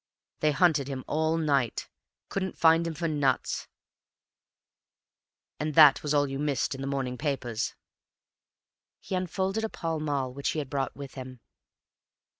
They hunted him all night long; couldn't find him for nuts; and that was all you missed in the morning papers." He unfolded a Pall Mall, which he had brought in with him.